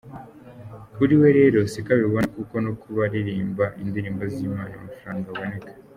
Kuri we rero siko abibona kuko no kubaririmba indirimbo z’Imana amafaranga aboneka.